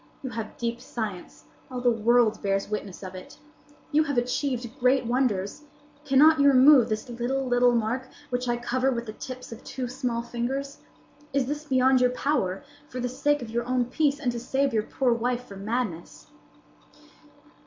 You have deep science. All the world bears witness of it. You have achieved great wonders. Cannot you remove this little, little mark, which I cover with the tips of two small fingers? Is this beyond your power, for the sake of your own peace, and to save your poor wife from madness?"